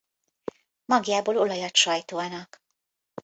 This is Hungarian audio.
Magjából olajat sajtolnak.